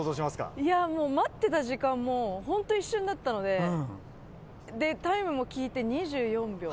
いやもう、待ってた時間も本当一瞬だったので、タイムも聞いて２４秒。